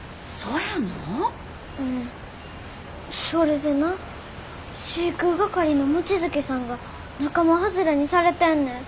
それでな飼育係の望月さんが仲間外れにされてんねん。